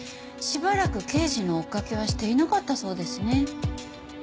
しばらく刑事の追っかけはしていなかったそうですね。